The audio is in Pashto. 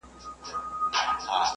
چي د كوم يوه دښمن د چا پر خوا سي